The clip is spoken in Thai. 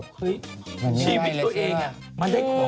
พี่ปุ้ยลูกโตแล้ว